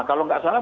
kalau tidak salah